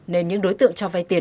nên những đối tượng cho vay tiền